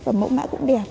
và mẫu mã cũng đẹp